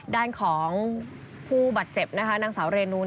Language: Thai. ด้านของผู้บัตรเจ็บนางสาวเรนุ